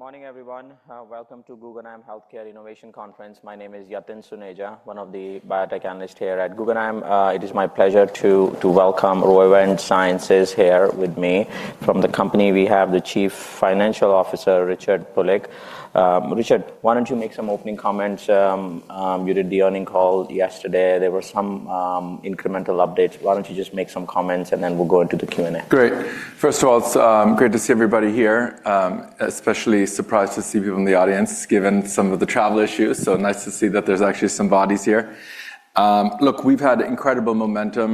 Good morning, everyone. Welcome to Guggenheim Healthcare Innovation Conference. My name is Yatin Suneja, one of the biotech analysts here at Guggenheim. It is my pleasure to welcome Roivant Sciences here with me. From the company, we have the Chief Financial Officer, Richard Pulik. Richard, why don't you make some opening comments? You did the earnings call yesterday. There were some incremental updates. Why don't you just make some comments, and then we'll go into the Q&A? Great. First of all, it's great to see everybody here. Especially surprised to see people in the audience, given some of the travel issues. Nice to see that there's actually some bodies here. Look, we've had incredible momentum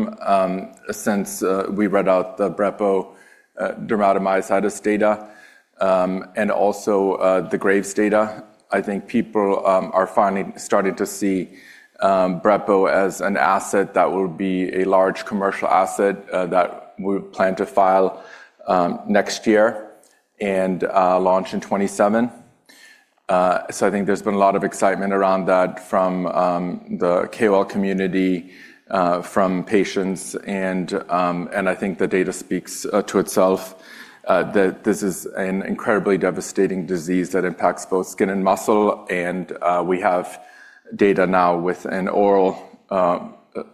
since we read out the brepocitinib dermatomyositis data and also the Graves' data. I think people are finally starting to see brepocitinib as an asset that will be a large commercial asset that we plan to file next year and launch in 2027. I think there's been a lot of excitement around that from the KOL community, from patients. I think the data speaks to itself that this is an incredibly devastating disease that impacts both skin and muscle. We have data now with an oral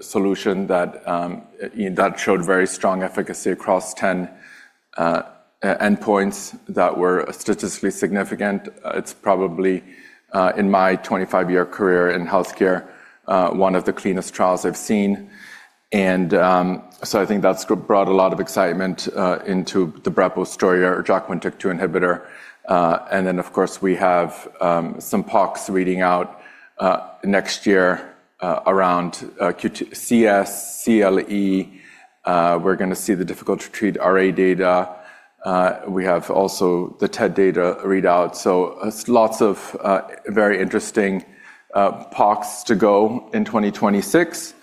solution that showed very strong efficacy across 10 endpoints that were statistically significant. It's probably, in my 25-year career in healthcare, one of the cleanest trials I've seen. I think that's brought a lot of excitement into the BREPO story, or JAK1/TYK2 inhibitor. Of course, we have some POCs reading out next year around CS, CLE. We're going to see the difficult-to-treat RA data. We have also the TED data readout. Lots of very interesting POCs to go in 2026.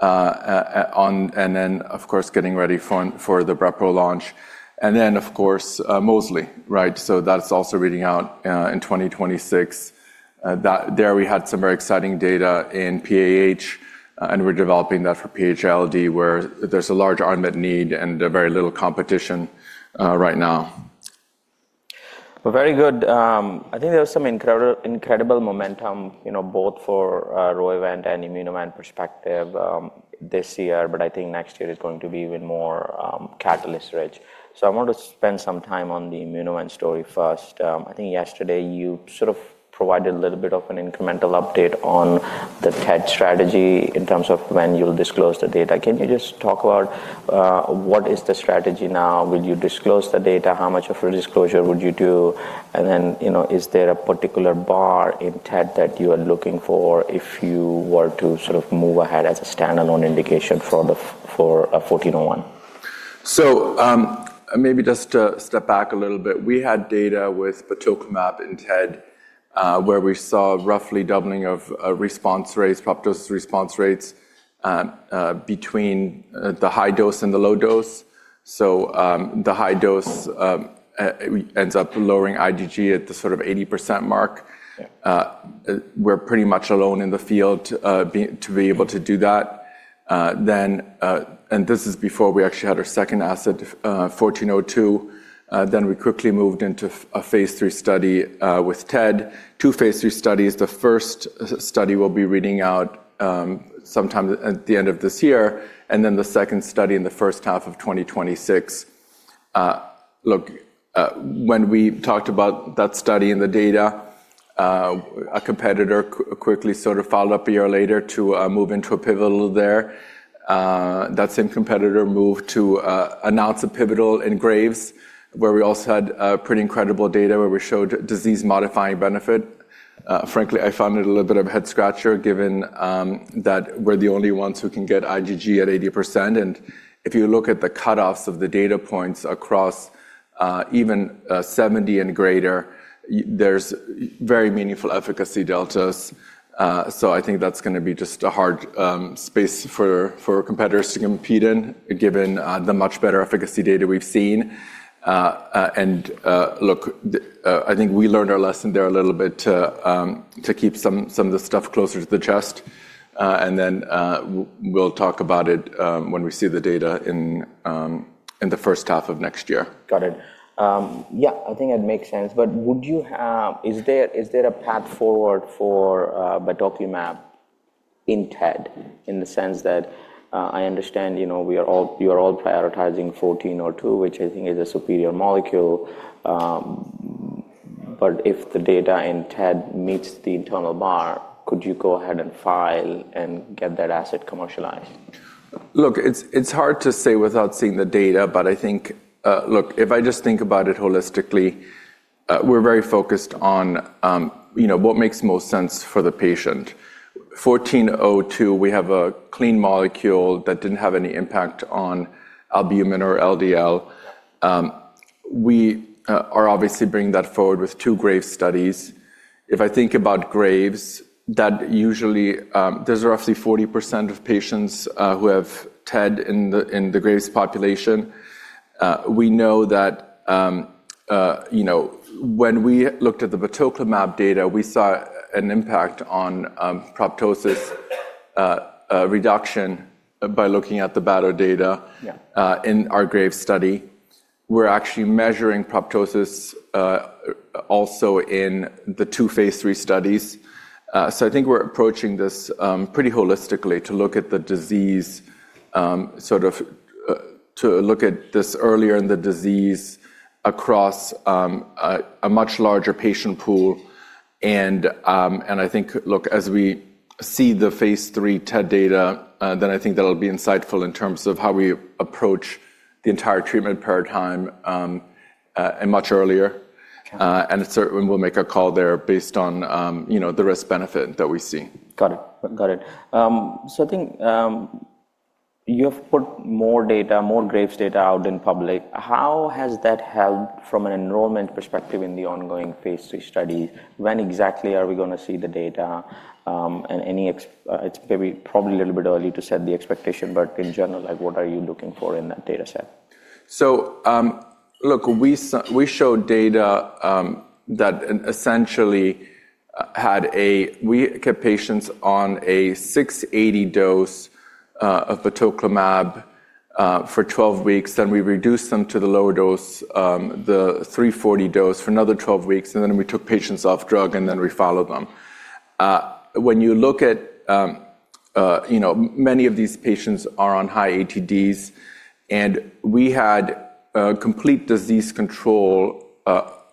Of course, getting ready for the BREPO launch. Of course, Mosliciguat. That's also reading out in 2026. There we had some very exciting data in PAH, and we're developing that for PH-ILD, where there's a large unmet need and very little competition right now. Very good. I think there was some incredible momentum, both for Roivant and Immunovant perspective this year. I think next year is going to be even more catalyst-rich. I want to spend some time on the Immunovant story first. I think yesterday you sort of provided a little bit of an incremental update on the TED strategy in terms of when you'll disclose the data. Can you just talk about what is the strategy now? Will you disclose the data? How much of a disclosure would you do? Is there a particular bar in TED that you are looking for if you were to sort of move ahead as a standalone indication for 1401? Maybe just to step back a little bit, we had data with batoclimab in TED, where we saw roughly doubling of response rates, proper dose response rates, between the high dose and the low dose. The high dose ends up lowering IgG at the sort of 80% mark. We're pretty much alone in the field to be able to do that. This is before we actually had our second asset, 1402. Then we quickly moved into a phase three study with TED, two phase three studies. The first study will be reading out sometime at the end of this year, and then the second study in the first half of 2026. Look, when we talked about that study and the data, a competitor quickly sort of followed up a year later to move into a pivotal there. That same competitor moved to announce a pivotal in Graves, where we also had pretty incredible data where we showed disease-modifying benefit. Frankly, I found it a little bit of a head-scratcher, given that we're the only ones who can get IgG at 80%. If you look at the cutoffs of the data points across even 70% and greater, there's very meaningful efficacy deltas. I think that's going to be just a hard space for competitors to compete in, given the much better efficacy data we've seen. I think we learned our lesson there a little bit to keep some of the stuff closer to the chest. We'll talk about it when we see the data in the first half of next year. Got it. Yeah, I think it makes sense. Is there a path forward for batoclimab in TED, in the sense that I understand you are all prioritizing 1402, which I think is a superior molecule? If the data in TED meets the internal bar, could you go ahead and file and get that asset commercialized? Look, it's hard to say without seeing the data. But I think, look, if I just think about it holistically, we're very focused on what makes most sense for the patient. 1402, we have a clean molecule that didn't have any impact on albumin or LDL. We are obviously bringing that forward with two Graves studies. If I think about Graves, there's roughly 40% of patients who have TED in the Graves population. We know that when we looked at the batoclimab data, we saw an impact on proptosis reduction by looking at the batoclimab data in our Graves study. We're actually measuring proptosis also in the two phase three studies. I think we're approaching this pretty holistically to look at the disease, sort of to look at this earlier in the disease across a much larger patient pool. I think, look, as we see the phase three TED data, then I think that'll be insightful in terms of how we approach the entire treatment paradigm much earlier. Certainly, we'll make a call there based on the risk-benefit that we see. Got it. Got it. I think you have put more data, more Graves data out in public. How has that helped from an enrollment perspective in the ongoing phase three study? When exactly are we going to see the data? It is maybe probably a little bit early to set the expectation. In general, what are you looking for in that data set? Look, we showed data that essentially had a, we kept patients on a 680 dose of batoclimab for 12 weeks. Then we reduced them to the lower dose, the 340 dose, for another 12 weeks. Then we took patients off drug, and then we followed them. When you look at it, many of these patients are on high ATDs. We had complete disease control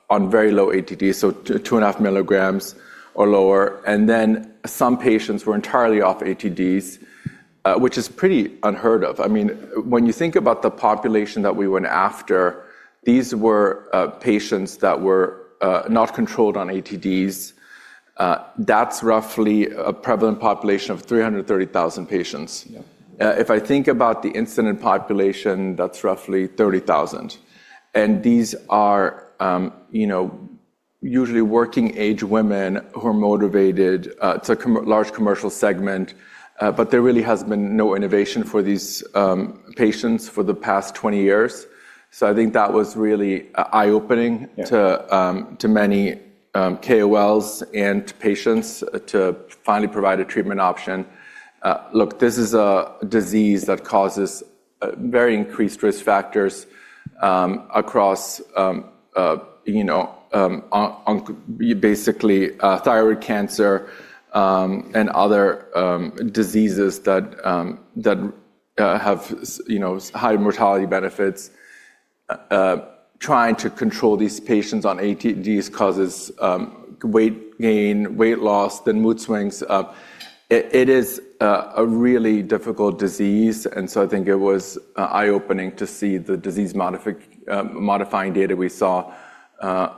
on very low ATDs, so 2.5 milligrams or lower. Some patients were entirely off ATDs, which is pretty unheard of I mean, when you think about the population that we went after, these were patients that were not controlled on ATDs. That is roughly a prevalent population of 330,000 patients. If I think about the incident population, that is roughly 30,000. These are usually working-age women who are motivated to a large commercial segment. There really has been no innovation for these patients for the past 20 years. I think that was really eye-opening to many KOLs and patients to finally provide a treatment option. Look, this is a disease that causes very increased risk factors across basically thyroid cancer and other diseases that have high mortality benefits. Trying to control these patients on ATDs causes weight gain, weight loss, then mood swings. It is a really difficult disease. I think it was eye-opening to see the disease-modifying data we saw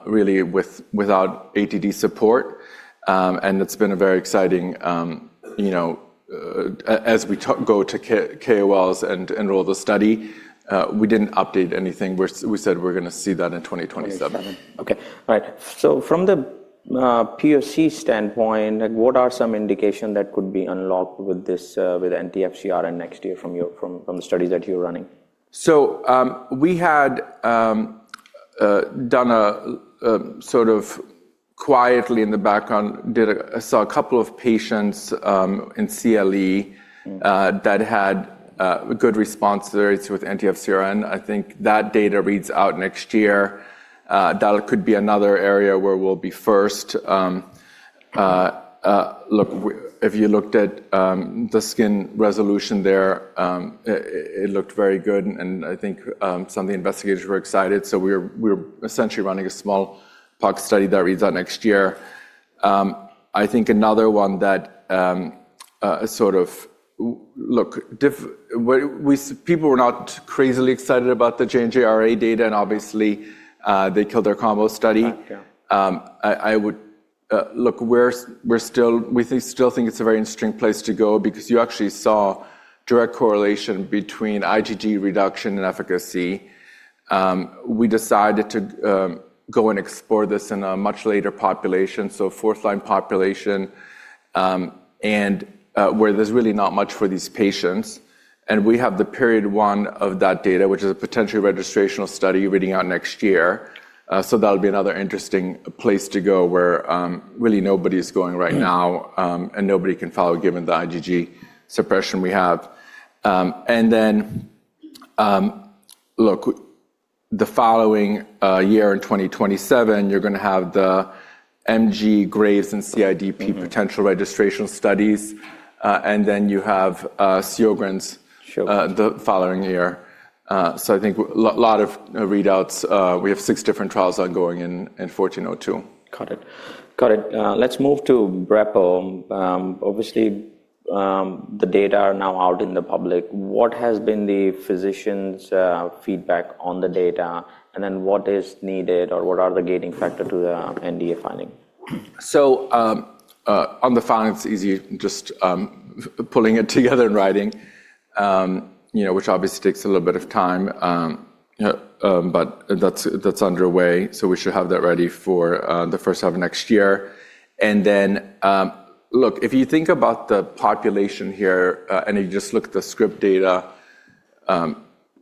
really without ATD support. It's been very exciting as we go to KOLs and enroll the study. We didn't update anything. We said we're going to see that in 2027. Okay. All right. From the POC standpoint, what are some indications that could be unlocked with FcRn next year from the studies that you're running? We had done a sort of quietly in the background, saw a couple of patients in CLE that had good responses with Ntfctn. I think that data reads out next year. That could be another area where we'll be first. Look, if you looked at the skin resolution there, it looked very good. I think some of the investigators were excited. We're essentially running a small POC study that reads out next year. I think another one that sort of, look, people were not crazily excited about the J&J RA data. Obviously, they killed their combo study. I would look, we still think it's a very interesting place to go because you actually saw direct correlation between IgG reduction and efficacy. We decided to go and explore this in a much later population, so first-line population, where there's really not much for these patients. We have the period one of that data, which is a potentially registrational study reading out next year. That will be another interesting place to go, where really nobody is going right now. Nobody can follow, given the IgG suppression we have. The following year in 2027, you are going to have the MG, Graves, and CIDP potential registrational studies. You have Sjögren's the following year. I think a lot of readouts. We have six different trials ongoing in 1402. Got it. Got it. Let's move to BREPO. Obviously, the data are now out in the public. What has been the physician's feedback on the data? What is needed, or what are the gating factors to the NDA filing? On the filing, it's easy just pulling it together and writing, which obviously takes a little bit of time. That is underway. We should have that ready for the first half of next year. If you think about the population here, and you just look at the SCRIPT data,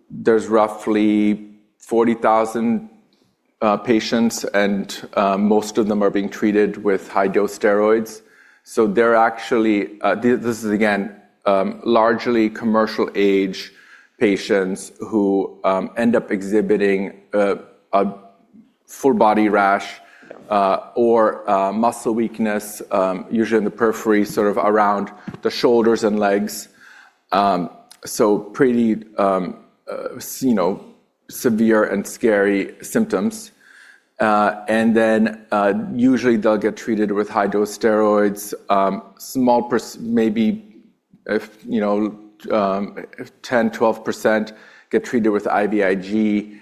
there's roughly 40,000 patients. Most of them are being treated with high-dose steroids. This is, again, largely commercial-age patients who end up exhibiting a full-body rash or muscle weakness, usually in the periphery, sort of around the shoulders and legs. Pretty severe and scary symptoms. Usually they'll get treated with high-dose steroids. Small, maybe 10%-12 get treated with IVIG.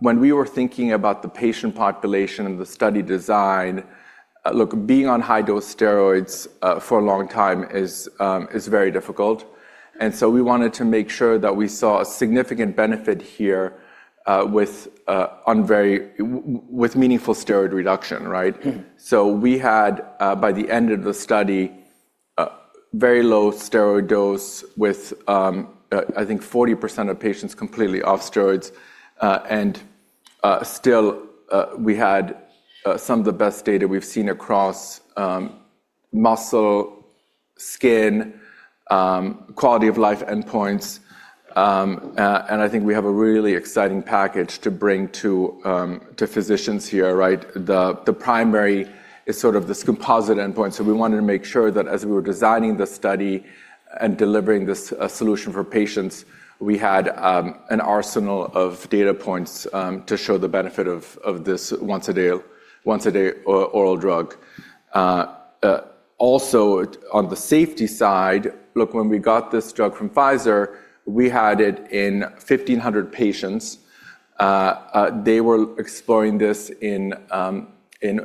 When we were thinking about the patient population and the study design, being on high-dose steroids for a long time is very difficult. We wanted to make sure that we saw a significant benefit here with meaningful steroid reduction. We had, by the end of the study, very low steroid dose with, I think, 40% of patients completely off steroids. Still, we had some of the best data we've seen across muscle, skin, quality of life endpoints. I think we have a really exciting package to bring to physicians here. The primary is sort of this composite endpoint. We wanted to make sure that as we were designing the study and delivering this solution for patients, we had an arsenal of data points to show the benefit of this once-a-day oral drug. Also, on the safety side, look, when we got this drug from Pfizer, we had it in 1,500 patients. They were exploring this in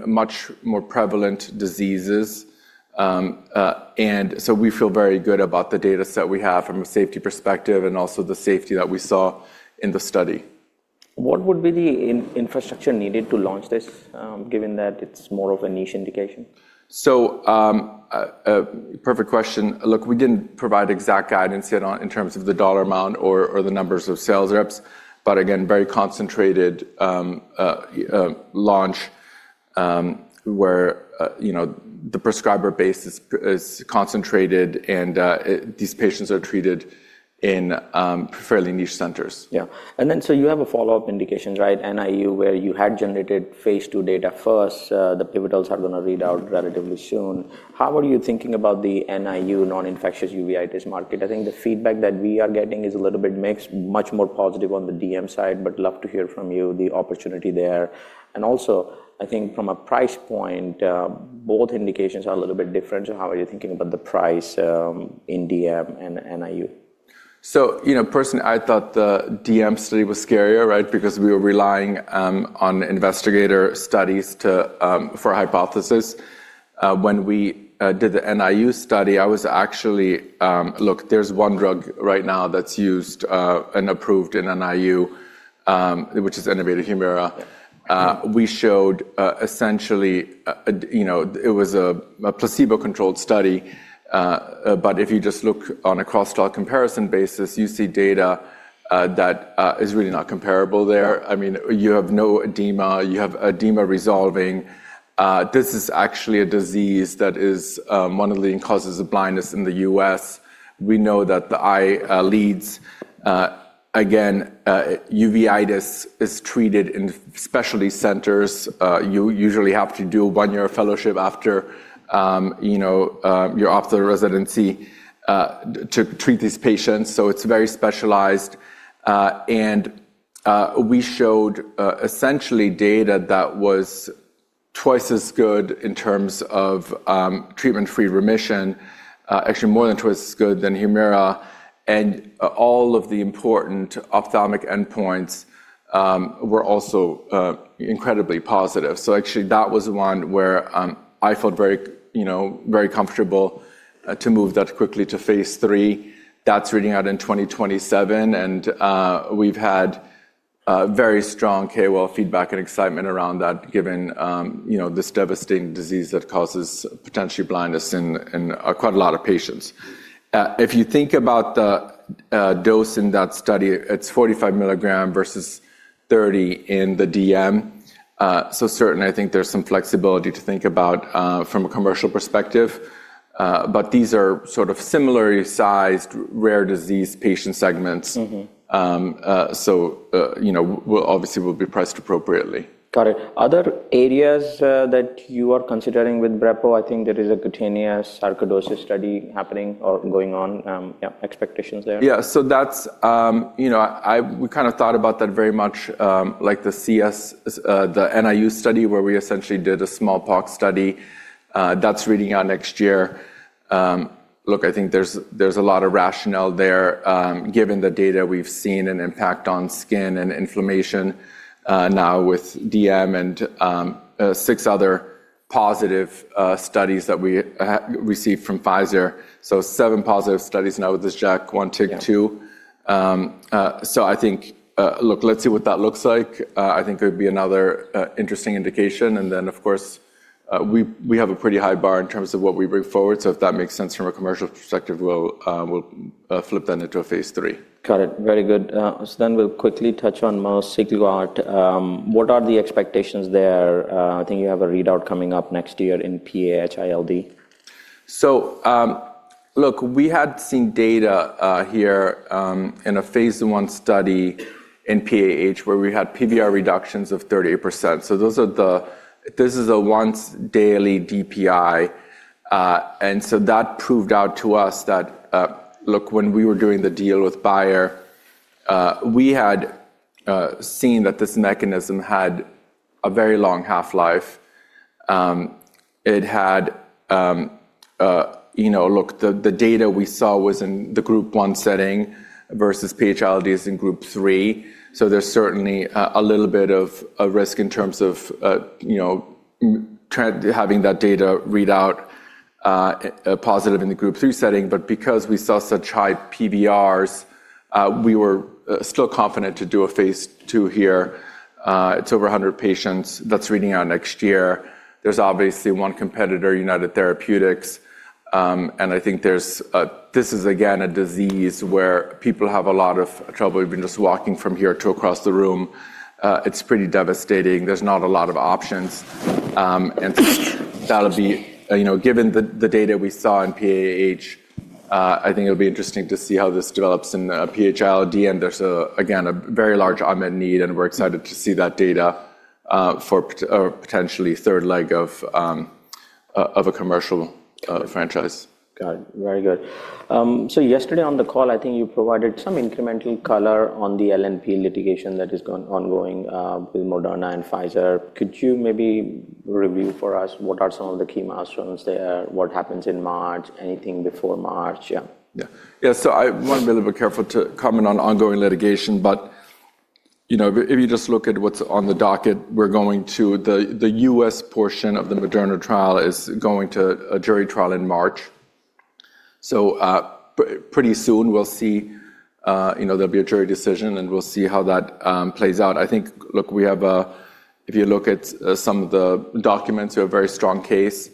much more prevalent diseases. We feel very good about the data set we have from a safety perspective and also the safety that we saw in the study. What would be the infrastructure needed to launch this, given that it's more of a niche indication? Perfect question. Look, we didn't provide exact guidance yet in terms of the dollar amount or the numbers of sales reps. But again, very concentrated launch where the prescriber base is concentrated. And these patients are treated in fairly niche centers. Yeah. And then you have a follow-up indication, right, NIU, where you had generated phase two data first. The pivotals are going to read out relatively soon. How are you thinking about the NIU non-infectious uveitis market? I think the feedback that we are getting is a little bit mixed, much more positive on the DM side. I would love to hear from you the opportunity there. I think from a price point, both indications are a little bit different. How are you thinking about the price in DM and NIU? Personally, I thought the DM study was scarier because we were relying on investigator studies for hypothesis. When we did the NIU study, I was actually, look, there is one drug right now that is used and approved in NIU, which is Humira. We showed essentially it was a placebo-controlled study. If you just look on a cross-taught comparison basis, you see data that is really not comparable there. I mean, you have no edema. You have edema resolving. This is actually a disease that is one of the causes of blindness in the US We know that the eye leads. Again, uveitis is treated in specialty centers. You usually have to do a one-year fellowship after you are off the residency to treat these patients. It is very specialized. We showed essentially data that was twice as good in terms of treatment-free remission, actually more than twice as good than Humira. All of the important ophthalmic endpoints were also incredibly positive. That was one where I felt very comfortable to move that quickly to phase three. That is reading out in 2027. We have had very strong KOL feedback and excitement around that, given this devastating disease that causes potentially blindness in quite a lot of patients. If you think about the dose in that study, it is 45 milligram versus 30 in the DM. Certainly, I think there is some flexibility to think about from a commercial perspective. These are sort of similarly sized rare disease patient segments. Obviously, we will be priced appropriately. Got it. Other areas that you are considering with BREPO? I think there is a cutaneous sarcoidosis study happening or going on. Expectations there? Yeah. So we kind of thought about that very much like the NIU study, where we essentially did a small POC study. That is reading out next year. Look, I think there is a lot of rationale there, given the data we have seen and impact on skin and inflammation now with DM and six other positive studies that we received from Pfizer. So seven positive studies now with this JAK1, TYK2. I think, look, let's see what that looks like. I think it would be another interesting indication. Of course, we have a pretty high bar in terms of what we bring forward. If that makes sense from a commercial perspective, we will flip that into a phase three. Got it. Very good. So then we'll quickly touch on. Mosliciguat. What are the expectations there? I think you have a readout coming up next year in PH-ILD. Look, we had seen data here in a phase one study in PAH, where we had PVR reductions of 38%. This is a once-daily DPI. That proved out to us that, look, when we were doing the deal with Bayer, we had seen that this mechanism had a very long half-life. The data we saw was in the group one setting versus PAH-ILD, which is in group three. There is certainly a little bit of risk in terms of having that data read out positive in the group three setting. Because we saw such high PVRs, we were still confident to do a phase two here. It is over 100 patients. That is reading out next year. There is obviously one competitor, United Therapeutics. I think this is, again, a disease where people have a lot of trouble. Even just walking from here to across the room, it's pretty devastating. There's not a lot of options. That'll be, given the data we saw in PAH, I think it'll be interesting to see how this develops in PH-ILD. There's, again, a very large unmet need. We're excited to see that data for potentially third leg of a commercial franchise. Got it. Very good. Yesterday on the call, I think you provided some incremental color on the LNP litigation that is ongoing with Moderna and Pfizer. Could you maybe review for us what are some of the key milestones there? What happens in March? Anything before March? Yeah. Yeah. I want to be a little bit careful to comment on ongoing litigation. If you just look at what's on the docket, the US portion of the Moderna trial is going to a jury trial in March. Pretty soon, we'll see there will be a jury decision. We'll see how that plays out. I think, look, if you look at some of the documents, we have a very strong case.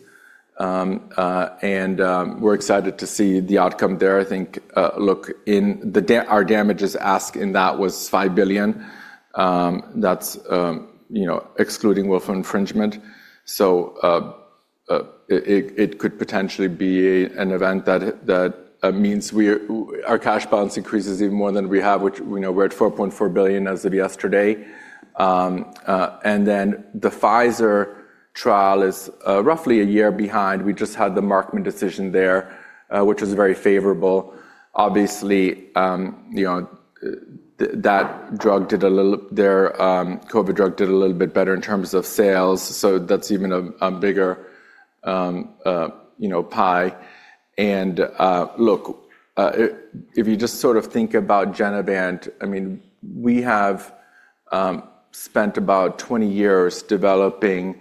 We're excited to see the outcome there. I think, look, our damages ask in that was $5 billion. That's excluding willful infringement. It could potentially be an event that means our cash balance increases even more than we have, which we're at $4.4 billion as of yesterday. The Pfizer trial is roughly a year behind. We just had the Markman decision there, which was very favorable. Obviously, that drug did a little COVID drug did a little bit better in terms of sales. That is even a bigger pie. If you just sort of think about Genevant, I mean, we have spent about 20 years developing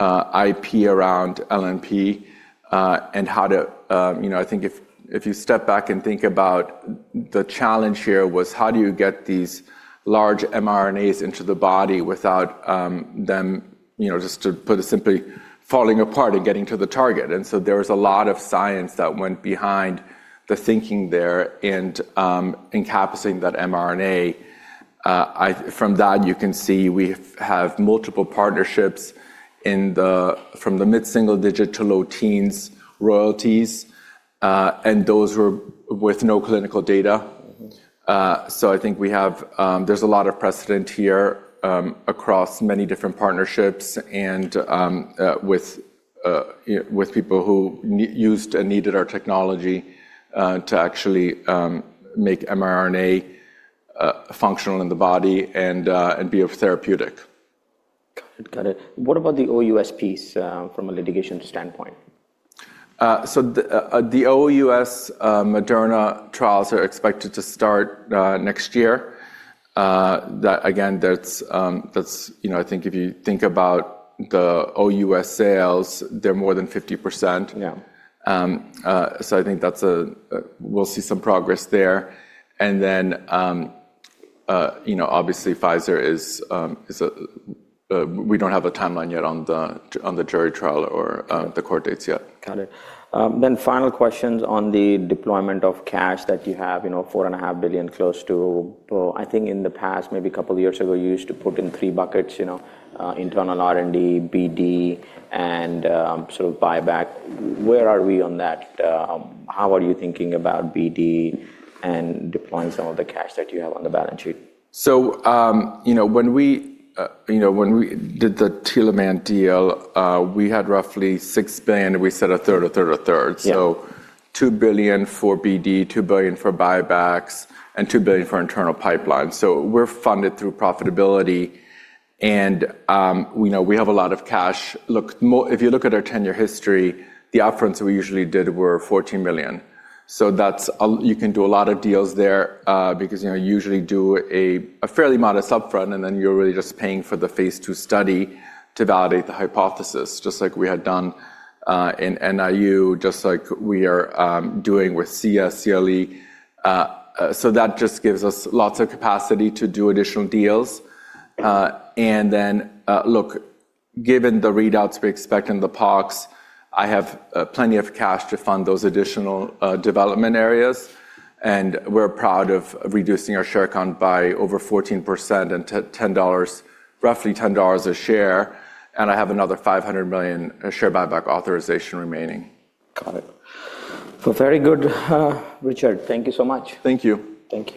IP around LNP and how to, I think if you step back and think about the challenge here was how do you get these large mRNAs into the body without them, just to put it simply, falling apart and getting to the target. There was a lot of science that went behind the thinking there and encompassing that mRNA. From that, you can see we have multiple partnerships from the mid-single digit to low teens royalties. Those were with no clinical data. I think there's a lot of precedent here across many different partnerships and with people who used and needed our technology to actually make mRNA functional in the body and be of therapeutic. Got it. Got it. What about the OUS piece from a litigation standpoint? The OUS Moderna trials are expected to start next year. Again, I think if you think about the OUS sales, they're more than 50%. I think we'll see some progress there. Obviously, Pfizer is, we don't have a timeline yet on the jury trial or the court dates yet. Got it. Then final questions on the deployment of cash that you have, $4.5 billion close to. I think in the past, maybe a couple of years ago, you used to put in three buckets: internal R&D, BD, and sort of buyback. Where are we on that? How are you thinking about BD and deploying some of the cash that you have on the balance sheet? When we did the Telavant deal, we had roughly $6 billion. We said a third, a third, a third. So $2 billion for BD, $2 billion for buybacks, and $2 billion for internal pipeline. We're funded through profitability. We have a lot of cash. Look, if you look at our 10-year history, the upfronts that we usually did were $14 billion. You can do a lot of deals there because you usually do a fairly modest upfront. Then you're really just paying for the phase two study to validate the hypothesis, just like we had done in NIU, just like we are doing with CS, CLE. That just gives us lots of capacity to do additional deals. Look, given the readouts we expect in the POCs, I have plenty of cash to fund those additional development areas. We're proud of reducing our share count by over 14% and $10, roughly $10 a share. I have another $500 million share buyback authorization remaining. Got it. Very good, Richard. Thank you so much. Thank you. Thank you.